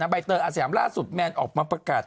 ใบเตยอาสยามล่าสุดแมนออกมาประกาศ